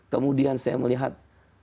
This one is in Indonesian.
kemudian saya melihat